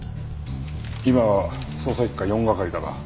今は捜査一課四係だが。